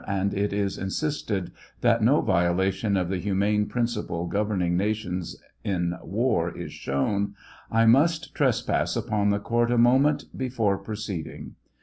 and it is insisted that no violation of the human^ principles governing nations in war is shown, I must trespass upon the court a moment before proceeding.